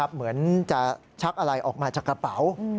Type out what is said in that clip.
เหมือนจะชักอะไรออกมาจากกระเป๋า